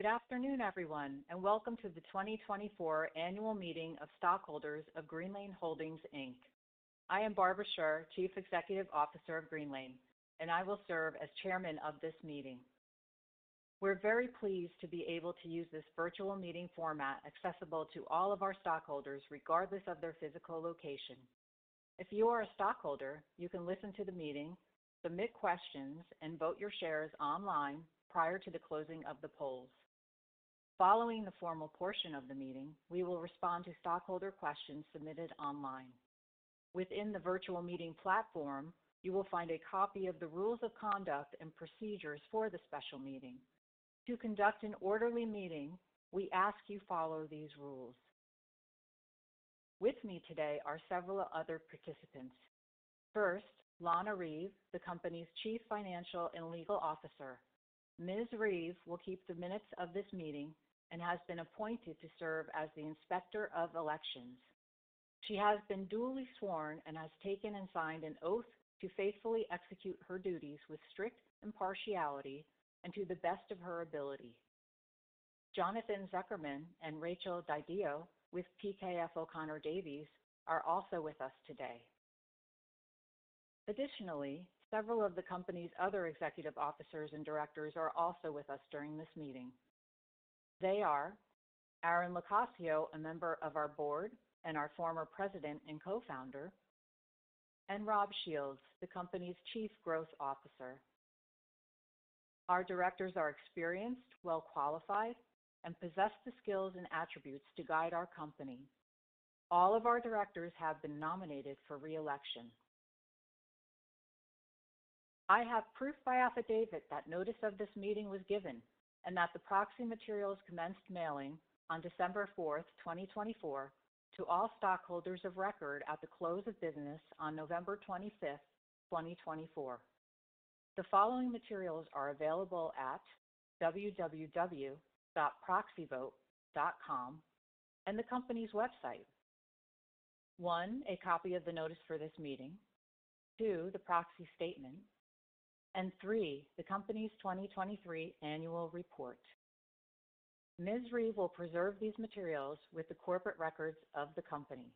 Good afternoon, everyone, and welcome to the 2024 annual meeting of stockholders of Greenlane Holdings, Inc. I am Barbara Sher, Chief Executive Officer of Greenlane, and I will serve as Chairman of this meeting. We're very pleased to be able to use this virtual meeting format accessible to all of our stockholders, regardless of their physical location. If you are a stockholder, you can listen to the meeting, submit questions, and vote your shares online prior to the closing of the polls. Following the formal portion of the meeting, we will respond to stockholder questions submitted online. Within the virtual meeting platform, you will find a copy of the rules of conduct and procedures for the special meeting. To conduct an orderly meeting, we ask you to follow these rules. With me today are several other participants. First, Lana Reeve, the company's Chief Financial and Legal Officer. Ms. Reeve will keep the minutes of this meeting and has been appointed to serve as the Inspector of Elections. She has been duly sworn and has taken and signed an oath to faithfully execute her duties with strict impartiality and to the best of her ability. Jonathan Zuckerman and Rachel DiDio with PKF O'Connor Davies are also with us today. Additionally, several of the company's other executive officers and directors are also with us during this meeting. They are Aaron LoCascio, a member of our board and our former president and co-founder, and Rob Shields, the company's Chief Growth Officer. Our directors are experienced, well-qualified, and possess the skills and attributes to guide our company. All of our directors have been nominated for reelection. I have proof by affidavit that notice of this meeting was given and that the proxy materials commenced mailing on December 4th, 2024, to all stockholders of record at the close of business on November 25th, 2024. The following materials are available at www.proxyvote.com and the company's website: one, a copy of the notice for this meeting. Two, the proxy statement. And three, the company's 2023 Annual Report. Ms. Reeve will preserve these materials with the corporate records of the company.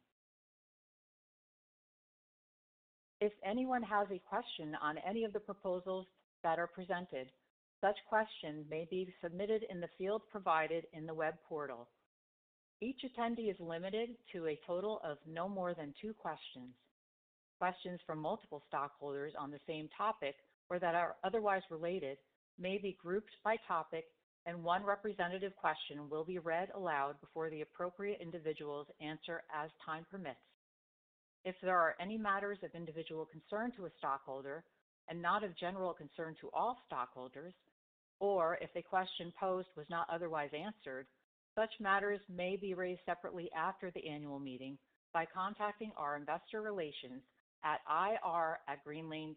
If anyone has a question on any of the proposals that are presented, such questions may be submitted in the field provided in the web portal. Each attendee is limited to a total of no more than two questions. Questions from multiple stockholders on the same topic or that are otherwise related may be grouped by topic, and one representative question will be read aloud before the appropriate individuals answer as time permits. If there are any matters of individual concern to a stockholder and not of general concern to all stockholders, or if a question posed was not otherwise answered, such matters may be raised separately after the annual meeting by contacting our Investor Relations at ir@greenlane.com.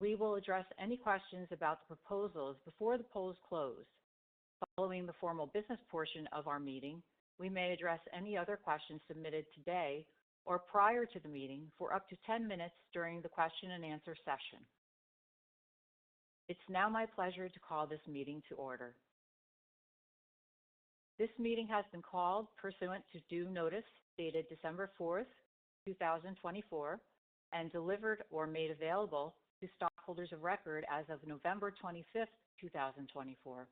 We will address any questions about the proposals before the polls close. Following the formal business portion of our meeting, we may address any other questions submitted today or prior to the meeting for up to 10 minutes during the question-and-answer session. It's now my pleasure to call this meeting to order. This meeting has been called pursuant to due notice dated December 4th, 2024, and delivered or made available to stockholders of record as of November 25th, 2024.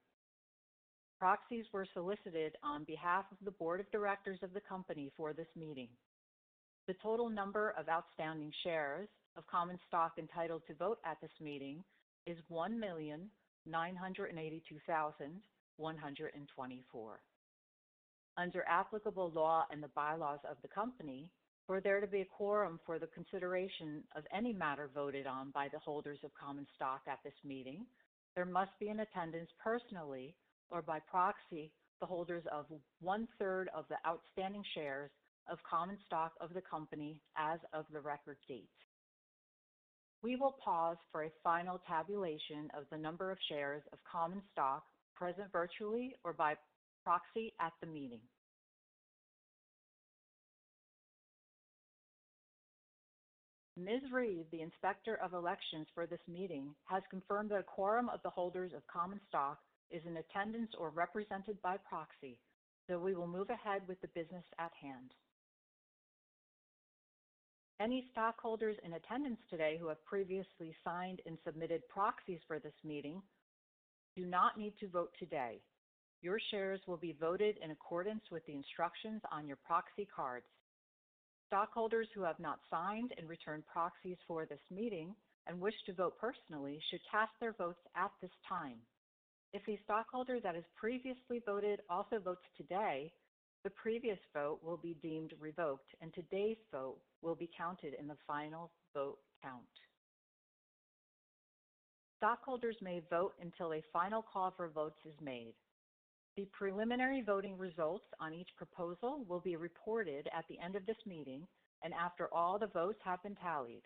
Proxies were solicited on behalf of the board of directors of the company for this meeting. The total number of outstanding shares of common stock entitled to vote at this meeting is 1,982,124. Under applicable law and the bylaws of the company, for there to be a quorum for the consideration of any matter voted on by the holders of common stock at this meeting, there must be an attendance personally or by proxy of the holders of one-third of the outstanding shares of common stock of the company as of the record date. We will pause for a final tabulation of the number of shares of common stock present virtually or by proxy at the meeting. Ms. Reeve, the Inspector of Elections for this meeting, has confirmed that a quorum of the holders of common stock is in attendance or represented by proxy, so we will move ahead with the business at hand. Any stockholders in attendance today who have previously signed and submitted proxies for this meeting do not need to vote today. Your shares will be voted in accordance with the instructions on your proxy cards. Stockholders who have not signed and returned proxies for this meeting and wish to vote personally should cast their votes at this time. If a stockholder that has previously voted also votes today, the previous vote will be deemed revoked, and today's vote will be counted in the final vote count. Stockholders may vote until a final call for votes is made. The preliminary voting results on each proposal will be reported at the end of this meeting and after all the votes have been tallied.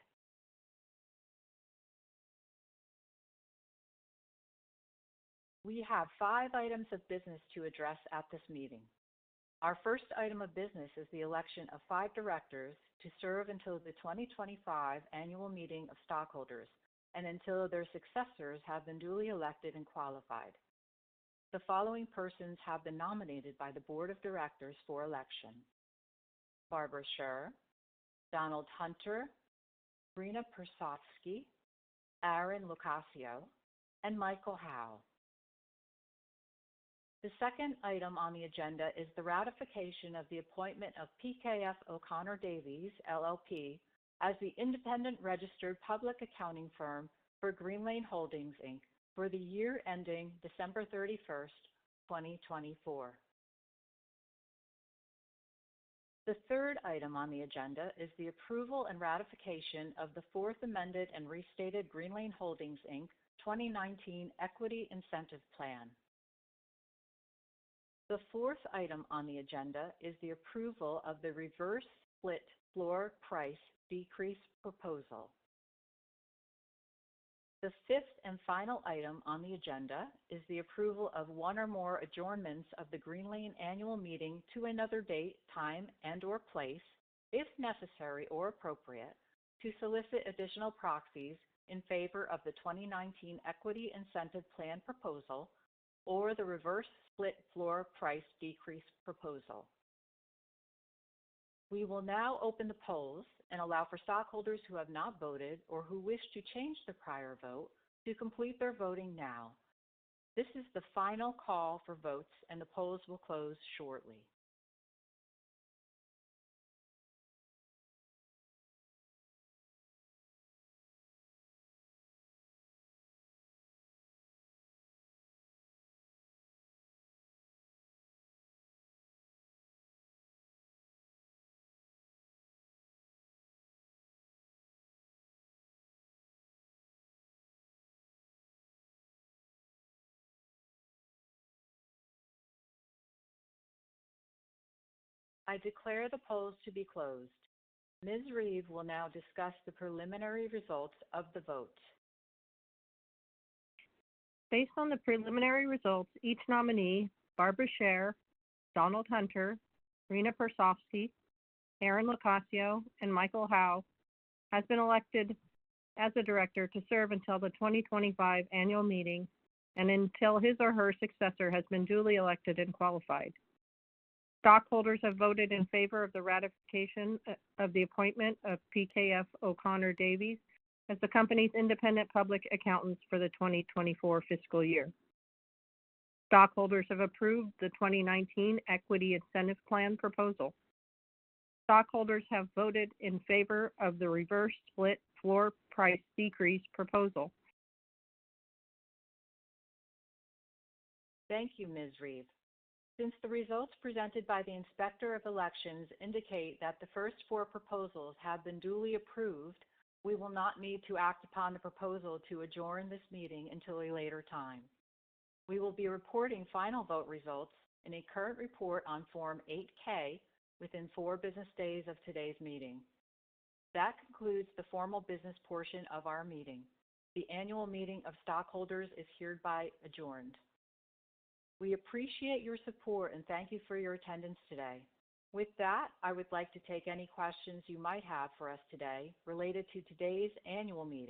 We have five items of business to address at this meeting. Our first item of business is the election of five directors to serve until the 2025 annual meeting of Stockholders and until their successors have been duly elected and qualified. The following persons have been nominated by the board of directors for election: Barbara Sher, Donald Hunter, Renah Persofsky, Aaron LoCascio, and Michael Howe. The second item on the agenda is the ratification of the appointment of PKF O'Connor Davies, LLP, as the independent registered public accounting firm for Greenlane Holdings, Inc., for the year ending December 31st, 2024. The third item on the agenda is the approval and ratification of the Fourth Amended and Restated Greenlane Holdings, Inc., 2019 Equity Incentive Plan. The fourth item on the agenda is the approval of the reverse split floor price decrease proposal. The fifth and final item on the agenda is the approval of one or more adjournments of the Greenlane Annual Meeting to another date, time, and/or place, if necessary or appropriate, to solicit additional proxies in favor of the 2019 Equity Incentive Plan proposal or the reverse split floor price decrease proposal. We will now open the polls and allow for stockholders who have not voted or who wish to change the prior vote to complete their voting now. This is the final call for votes, and the polls will close shortly. I declare the polls to be closed. Ms. Reeve will now discuss the preliminary results of the vote. Based on the preliminary results, each nominee (Barbara Sher, Donald Hunter, Renah Persofsky, Aaron LoCascio, and Michael Howe) has been elected as a director to serve until the 2025 annual meeting and until his or her successor has been duly elected and qualified. Stockholders have voted in favor of the ratification of the appointment of PKF O'Connor Davies as the company's independent public accountants for the 2024 fiscal year. Stockholders have approved the 2019 Equity Incentive Plan proposal. Stockholders have voted in favor of the reverse split floor price decrease proposal. Thank you, Ms. Reeve. Since the results presented by the Inspector of Elections indicate that the first four proposals have been duly approved, we will not need to act upon the proposal to adjourn this meeting until a later time. We will be reporting final vote results in a current report on Form 8-K within four business days of today's meeting. That concludes the formal business portion of our meeting. The annual meeting of stockholders is hereby adjourned. We appreciate your support and thank you for your attendance today. With that, I would like to take any questions you might have for us today related to today's annual meeting.